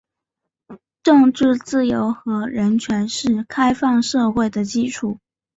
政治自由和人权是开放社会的基础。